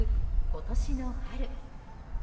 今年の春。